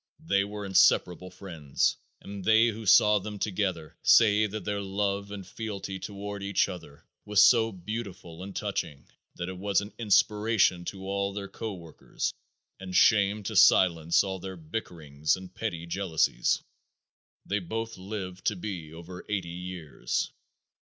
They were inseparable friends, and they who saw them together say that their love and fealty toward each other was so beautiful and touching that it was an inspiration to all their co workers and shamed to silence all their bickerings and petty jealousies. They both lived to be over eighty years.